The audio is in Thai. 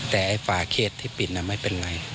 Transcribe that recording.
แต่ไอ้ฝาเขตที่ปิดไม่เป็นไร